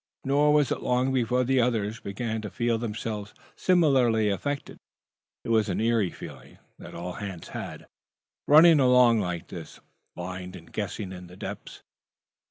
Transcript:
Nor was it long before the others began to feel themselves similarly affected. It was an eerie feeling that all hands had, running along like this, blind and guessing, in the depths.